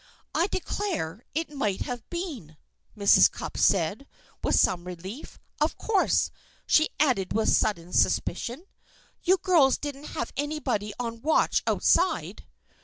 "I declare! it might have been," Mrs. Cupp said, with some relief. "Of course," she added, with sudden suspicion, "you girls didn't have anybody on watch outside?"